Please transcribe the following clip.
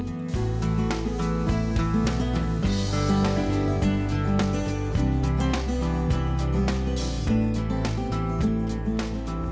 ดี